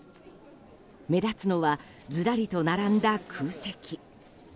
目立つのはずらりと並んだ空席。